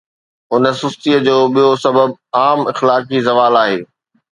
ان سستيءَ جو ٻيو سبب عام اخلاقي زوال آهي.